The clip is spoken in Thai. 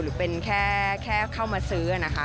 หรือเป็นแค่เข้ามาซื้อนะคะ